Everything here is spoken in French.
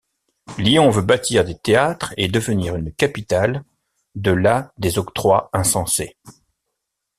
Lyon veut bâtir des théâtres et devenir une capitale, de là des Octrois insensés.